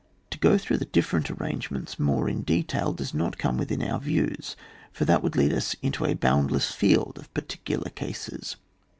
To go through the different ar* rangeaients more in detail does not come within our views, for that would lead us into a boundless field of particular cases.